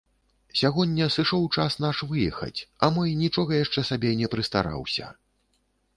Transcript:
Сягоння сышоў час наш выехаць, а мой нічога яшчэ сабе не прыстараўся.